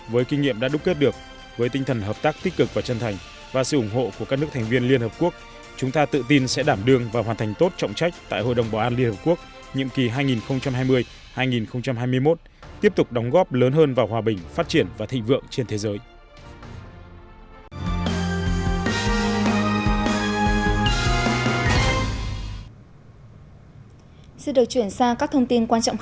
với kinh nghiệm đã đúc kết được với tinh thần hợp tác tích cực và chân thành và sự ủng hộ của các nước thành viên liên hợp quốc chúng ta tự tin sẽ đảm đương và hoàn thành tốt trọng trách tại hội đồng bảo an liên hợp quốc nhiệm kỳ hai nghìn hai mươi hai nghìn hai mươi một tiếp tục đóng góp lớn hơn vào hòa bình phát triển và thịnh vượng trên thế giới